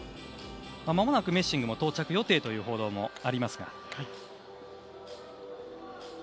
まもなくメッシングも到着予定という報道があります。